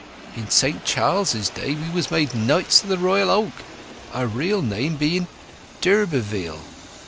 In Saint Charles's days we was made Knights o' the Royal Oak, our real name being d'Urberville!...